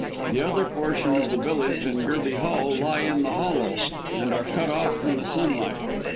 The other portion of the village and Gerby Hall lie in the hollow, and are cut off from the sunlight.